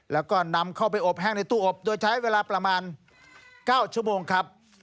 แล้วก็นำเข้าไปอบแห้งในตู้อบโดยใช้เวลาประมาณ๙ชั่วโมงครับ